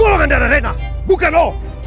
golongan darah rena bukan oh